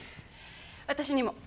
私にも。